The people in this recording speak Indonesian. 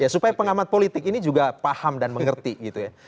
supaya pengamat politik ini juga paham dan mengerti gitu ya